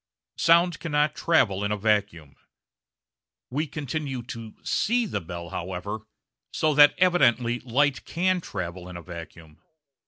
Sound cannot travel in a vacuum. We continue to see the bell, however, so that evidently light can travel in a vacuum.